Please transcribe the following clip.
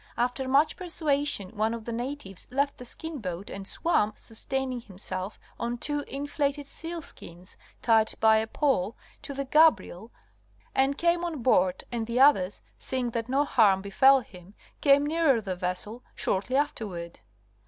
After much persuasion one of the natives left the skin boat and swam, sustaining himself on two inflated Review of Bering's First Expedition, 1725 30. 151 seal skins tied by a pole, to the Gabriel and came on board and the others, seeing that no harm befel him, came nearer the vessel shortly afterward (M.